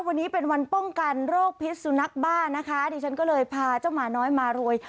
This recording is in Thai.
วันนี้เป็นวันป้องกันโรคพิษสุนัขบ้านะคะดิฉันก็เลยพาเจ้าหมาน้อยมารวย